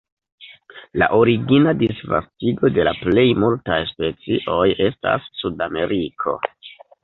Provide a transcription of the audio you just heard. La origina disvastigo de la plej multaj specioj estas Sudameriko.